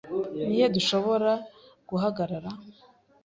Ni he dushobora guhagarara?